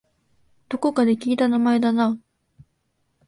どこかで聞いた名前だな